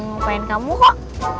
ngupain kamu kok